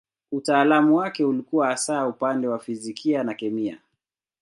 Utaalamu wake ulikuwa hasa upande wa fizikia na kemia.